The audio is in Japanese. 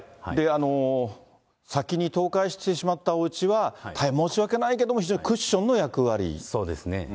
先に倒壊してしまったおうちは、大変申し訳ないけども、クッションの役割。